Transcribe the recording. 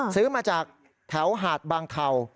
ซื้อมาจากแถวหาดบางเทา